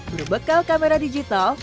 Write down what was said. belum bekal kamera digital